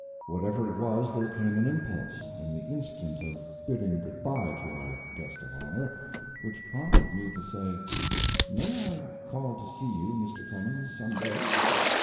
Whatever it was, there came an impulse, in the instant of bidding good by to our guest of honor, which prompted me to say: "May I call to see you, Mr. Clemens, some day?"